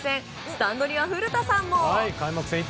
スタンドには古田さんも。